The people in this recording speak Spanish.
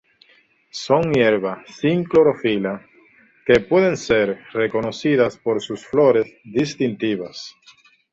Son hierbas sin clorofila, que pueden ser reconocidas por sus flores distintivas.